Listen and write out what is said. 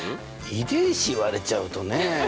遺伝子言われちゃうとね。